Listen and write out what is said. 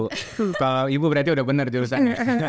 kalau ibu berarti sudah benar jurusan